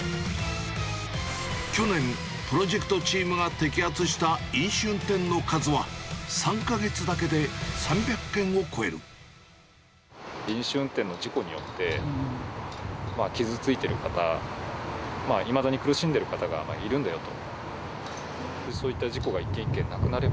去年、プロジェクトチームが摘発した飲酒運転の数は、飲酒運転の事故によって、傷ついてる方、いまだに苦しんでいる方がいるんだよと。